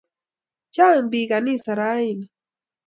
Chang' piik ganisa raini